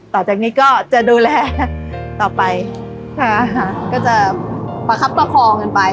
ต่อจากนี้ก็จะดูแลต่อไปค่ะก็จะประคับประคองกันไป